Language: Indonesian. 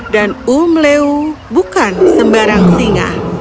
dan umleu bukan sembarang singa